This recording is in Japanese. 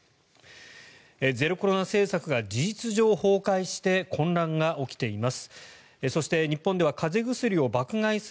ゼロコロナ政策が事実上崩壊して混乱が起きています。